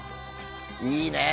いいねえ。